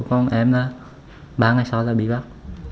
không em đã bán ngày sau ra bị bắt